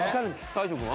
大昇君は？